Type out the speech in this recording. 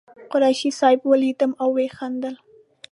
قریشي صاحب ولیدم او وخندل.